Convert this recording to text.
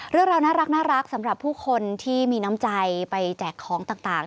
เรื่องราวน่ารักสำหรับผู้คนที่มีน้ำใจไปแจกของต่าง